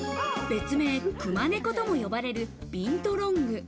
別名クマネコとも呼ばれるビントロング。